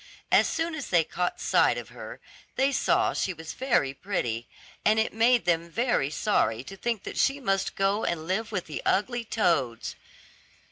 As soon as they caught sight of her, they saw she was very pretty, and it made them very sorry to think that she must go and live with the ugly toads.